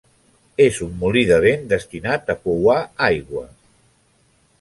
És un molí de vent destinat a pouar aigua.